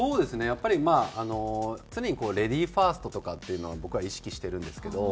やっぱりまあ常にレディーファーストとかっていうのは僕は意識してるんですけど。